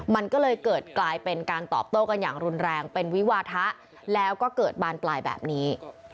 มันก็เลยเกิดกลายเป็นการตอบโต้กันอย่างรุนแรงเป็นวิวาทะแล้วก็เกิดบานปลายแบบนี้